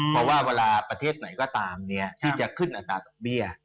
เพราะว่าเวลาประเทศไหนก็ตามที่จะขึ้นอัตราดอกเบี้ย